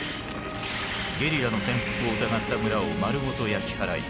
ゲリラの潜伏を疑った村を丸ごと焼き払い